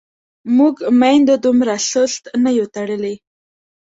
موږ میندو دومره سست نه یو تړلي.